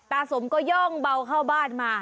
สมก็ย่องเบาเข้าบ้านมา